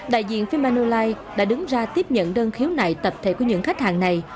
đại diện phía manulife đã đứng ra tiếp nhận đơn khiếu nại tập thể của những khách hàng này